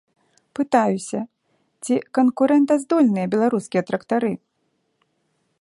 Пытаюся, ці канкурэнтаздольныя беларускія трактары.